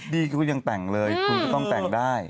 ก็ยังแต่งเลยคุณก็ต้องแต่งได้